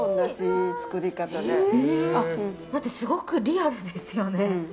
すごくリアルですよね。